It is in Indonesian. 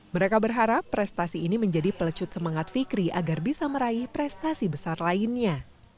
mereka berharap prestasi ini menjadi pelecut semangat fikri agar bisa meraih prestasi besar lainnya